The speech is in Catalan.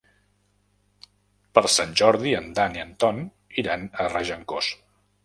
Per Sant Jordi en Dan i en Ton iran a Regencós.